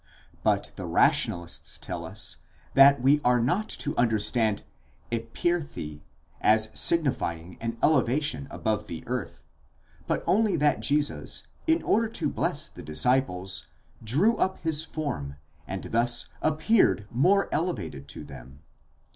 But the Rationalists tell us that we are not to understand ἐπήρθη, as signifying an elevation above the earth, but only that Jesus, in order to bless the disciples, drew up his form and thus appeared more elevated to them.